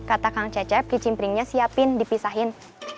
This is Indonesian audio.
kata kang cecep kicim pringnya siapin dipisahin